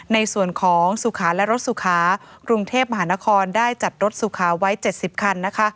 ในส่วนของสุขาและรถสุขากรุงเทพมหานครได้จัดรถสุขาไว้๗๐คันนะคะ